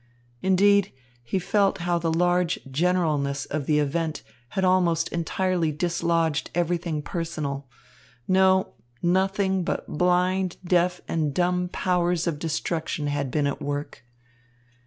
Indeed, he felt how the large generalness of the event had almost entirely dislodged everything personal. No! Nothing but blind, deaf and dumb powers of destruction had been at work.